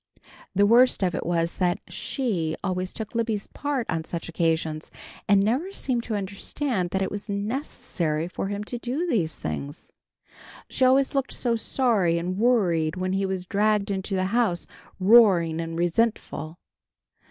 The worst of it was, that She always took Libby's part on such occasions, and never seemed to understand that it was necessary for him to do these things. She always looked so sorry and worried when he was dragged into the house, roaring and resentful.